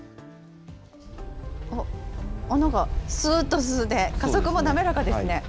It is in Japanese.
あっ、なんかすーっと進んで、加速も滑らかですね。